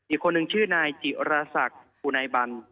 อีกคนหนึ่งชื่อนายจิรศักดิ์อุนัยบัล